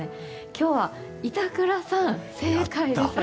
今日は板倉さん、正解です！